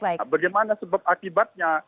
bagaimana sebab akibatnya